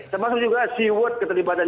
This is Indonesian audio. semangat juga siwot keterlibatan